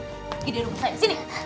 pergi di rumah saya sini